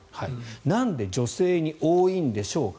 なんで女性に多いんでしょうか。